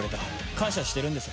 感謝してるんです。